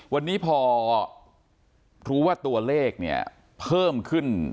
วันนี้พอรู้ว่าตัวเลขเนี่ยเพิ่มขึ้น